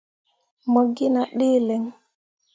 Mo gi nah ɗǝǝ lǝŋ.